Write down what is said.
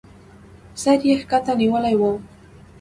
سر يې کښته نيولى و.